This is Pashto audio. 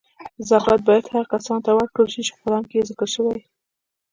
زکات باید هغو کسانو ته ورکړل چی قران کې ذکر شوی .